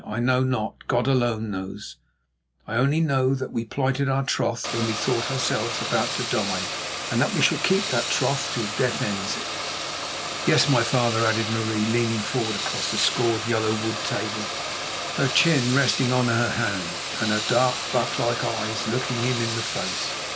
"I know not; God alone knows. I only know that we plighted our troth when we thought ourselves about to die, and that we shall keep that troth till death ends it." "Yes, my father," added Marie, leaning forward across the scored yellow wood table, her chin resting on her hand and her dark, buck like eyes looking him in the face.